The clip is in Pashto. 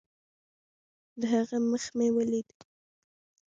د هغه مخ مې وليد.